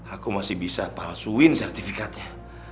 aku masih bisa palsuin sertifikatnya